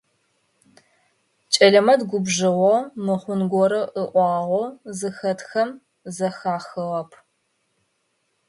Чэлэмэт губжыгъэу, мыхъун горэ ыӏуагъэу зыхэтхэм зэхахыгъэп.